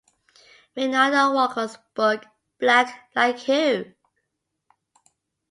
Rinaldo Walcott's book Black Like Who?